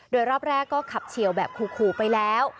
โดยรอบแรกก็ขับเฉียวแบบขู่ไปแล้ว